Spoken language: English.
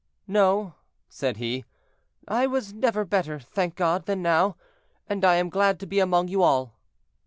"No," said he, "I was never better, thank God, than now, and I am glad to be among you all."